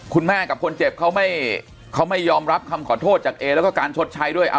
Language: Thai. คุณแม่กับคนเจ็บเขาไม่ยอมรับคำขอโทษจากเอแล้วก็การชดใช้ด้วย